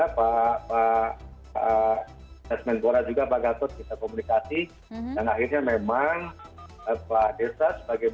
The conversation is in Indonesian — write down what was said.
pak semengora juga pak gatot kita komunikasi dan akhirnya memang pak desa sebagai